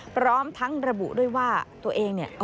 พร้อมทั้งระบุด้วยว่าตัวเองเนี่ย